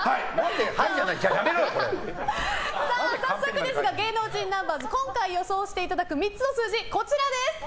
早速、芸能人ナンバーズ今回予想していただく３つの数字はこちらです。